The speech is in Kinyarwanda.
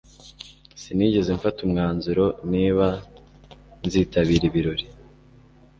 Sinigeze mfata umwanzuro niba nzitabira ibirori